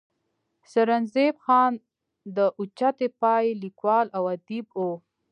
سرنزېب خان د اوچتې پائې ليکوال او اديب وو